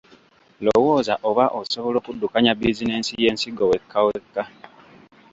Lowooza oba osobola okuddukanya bizinensi y’ensigo wekkawekka.